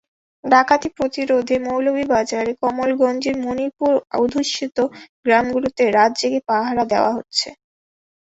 ডাকাতি প্রতিরোধে মৌলভীবাজারের কমলগঞ্জের মণিপুরী অধ্যুষিত গ্রামগুলোতে রাত জেগে পাহারা দেওয়া হচ্ছে।